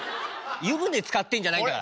湯船つかってんじゃないんだから。